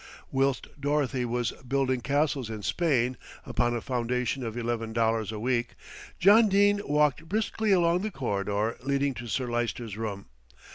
Whilst Dorothy was building castles in Spain upon a foundation of eleven dollars a week, John Dene walked briskly along the corridor leading to Sir Lyster's room.